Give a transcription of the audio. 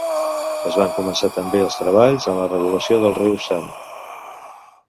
Es van començar també els treballs en la regulació del riu San.